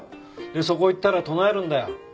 そこ行ったら唱えるんだよ。